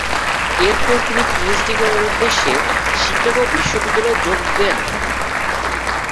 এরপর তিনি পিএইচডি করার উদ্দেশ্যে শিকাগো বিশ্ববিদ্যালয়ে যোগদান দেন।